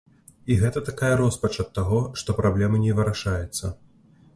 І гэта такая роспач ад таго, што праблема не вырашаецца.